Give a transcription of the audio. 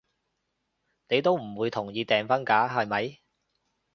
你都唔會同意訂婚㗎，係咪？